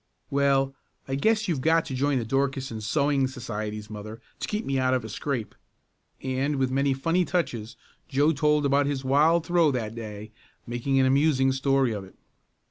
"Well I guess you've got to join the Dorcas and Sewing societies, mother, to keep me out of a scrape," and with many funny touches Joe told about his wild throw that day, making an amusing story of it.